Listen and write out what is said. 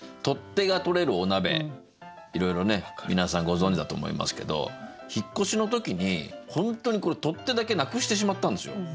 取っ手が取れるお鍋いろいろね皆さんご存じだと思いますけど引っ越しの時に本当に取っ手だけなくしてしまったんですよ。